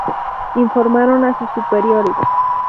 Informaron a sus superiores.